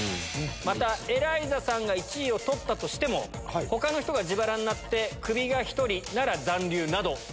またエライザさんが１位を取ったとしても他の人が自腹になってクビが１人なら残留など。